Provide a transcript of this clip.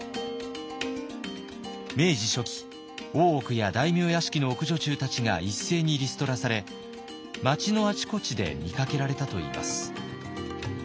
明治初期大奥や大名屋敷の奥女中たちが一斉にリストラされ町のあちこちで見かけられたといいます。